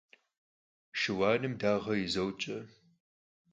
Şşıuanım dağe yizoç'er.